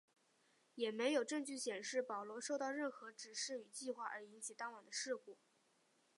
也没有证据显示保罗受到任何指示与计划而引起当晚的事故。